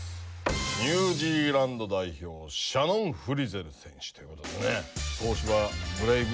ニュージーランド代表シャノン・フリゼル選手ということでね。